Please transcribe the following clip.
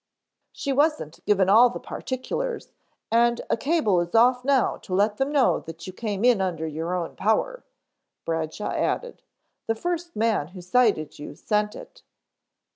"She wasn't given all the particulars and a cable is off now to let them know that you came in under your own power," Bradshaw added. "The first man who sighted you sent it."